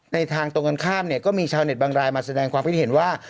ทางตรงกันข้ามเนี่ยก็มีชาวเน็ตบางรายมาแสดงความคิดเห็นว่า